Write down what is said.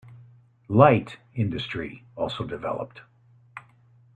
Light industry also developed.